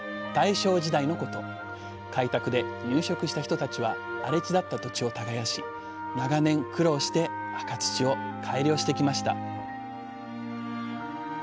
開拓で入植した人たちは荒れ地だった土地を耕し長年苦労して赤土を改良してきました